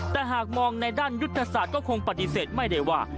แต่หากมองในด้านยุทธศาสตร์ก็คงปฏิเสธไม่ได้ว่า